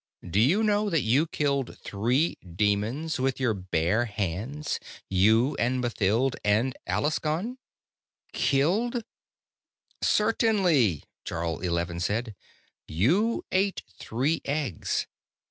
Do you know that you killed three demons with your bare hands, you and Mathild and Alaskon?" "Killed " "Certainly," Jarl Eleven said. "You ate three eggs.